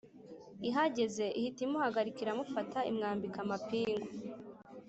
ihageze ihita imuhagarika iramufata imwambika amapingu